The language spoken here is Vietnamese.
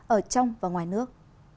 ở trong và ngoài nước